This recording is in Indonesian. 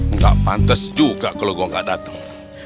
enggak pantes juga kalau gua gak dateng